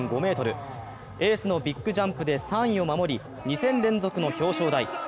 エースのビッグジャンプで３位を守り、２戦連続の表彰台。